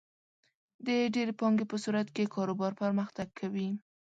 د ډېرې پانګې په صورت کې کاروبار پرمختګ کوي.